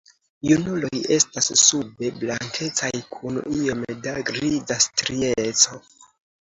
Junuloj estas sube blankecaj kun iom da griza strieco.